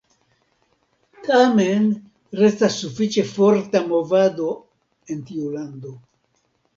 Tamen restas sufiĉe forta movado en tiu lando.